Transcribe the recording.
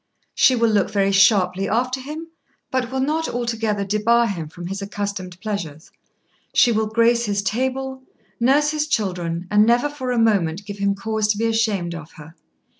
She will look very sharply after him, but will not altogether debar him from his accustomed pleasures. She will grace his table, nurse his children, and never for a moment give him cause to be ashamed of her.